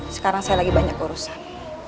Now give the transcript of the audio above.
sekarang saya lagi banyak urusan